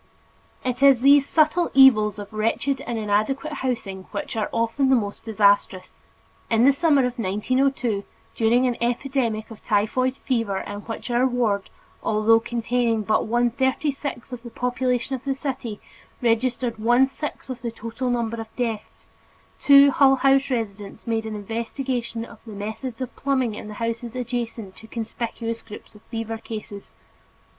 It is these subtle evils of wretched and inadequate housing which are often the most disastrous. In the summer of 1902 during an epidemic of typhoid fever in which our ward, although containing but one thirty sixth of the population of the city, registered one sixth of the total number of deaths, two of the Hull House residents made an investigation of the methods of plumbing in the houses adjacent to conspicuous groups of fever cases.